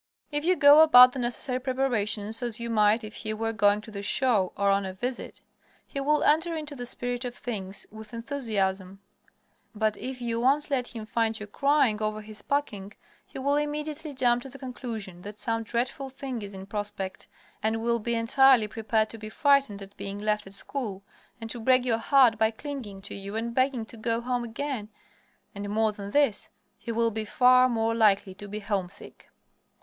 If you go about the necessary preparations as you might if he were going to the show or on a visit, he will enter into the spirit of things with enthusiasm; but if you once let him find you crying over his packing he will immediately jump to the conclusion that some dreadful thing is in prospect, and will be entirely prepared to be frightened at being left at school, and to break your heart by clinging to you and begging to go home again. And, more than this, he will be far more likely to be homesick.